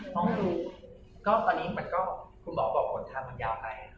ต้องดูก็ตอนนี้มันก็คุณหมอบอกผลทางมันยาวไป